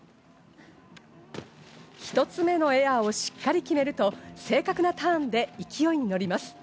一つ目のエアをしっかり決めると、正確なターンで勢いに乗ります。